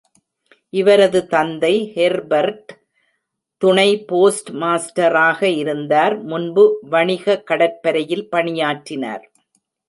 இவரது தந்தை ஹெர்பர்ட் துணை போஸ்ட் மாஸ்டராக இருந்தார், முன்பு வணிக கடற்படையில் பணியாற்றினார்.